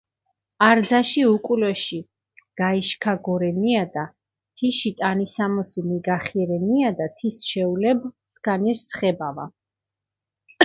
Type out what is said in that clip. არძაში უკულაში გაიშქაგორენიადა, თიში ტანისამოსი მიგახირენიადა, თის შეულებჷ სქანი რსხებავა.